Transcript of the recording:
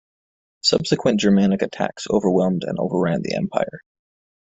Subsequent Germanic attacks overwhelmed and overran the empire.